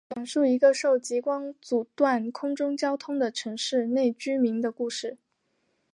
讲述一个受极光阻断空中交通的城市内居民的故事。